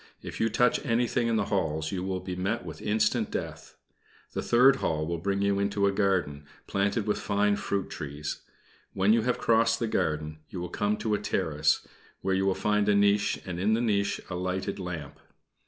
If you touch anything in the halls you will meet with instant death. The third hall will bring you into a garden, planted with fine fruit trees. When you have crossed the garden, you will come to a terrace, where you will find a niche, and in the niche a lighted lamp.